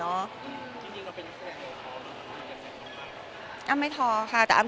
เนื้อหาดีกว่าน่ะเนื้อหาดีกว่าน่ะ